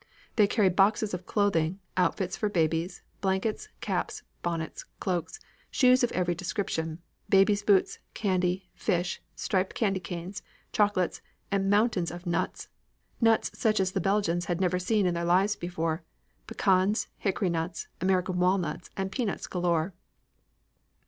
They carried boxes of clothing, outfits for babies, blankets, caps, bonnets, cloaks, shoes of every description, babies' boots, candy, fish, striped candy canes, chocolates and mountains of nuts, nuts such as the Belgians had never seen in their lives before: pecans, hickory nuts, American walnuts, and peanuts galore.